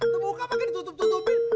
terbuka makanya ditutup tutupin